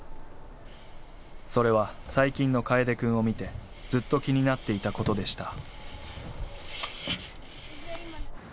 それは最近の楓くんを見てずっと気になっていたことでした